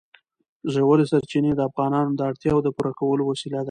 ژورې سرچینې د افغانانو د اړتیاوو د پوره کولو وسیله ده.